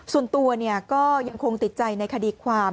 ส่วนตัวก็ยังคงติดใจในคดีความ